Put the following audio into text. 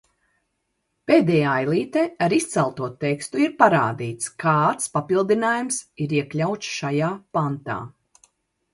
Pēdējā ailītē ar izcelto tekstu ir parādīts, kāds papildinājums ir iekļauts šajā pantā.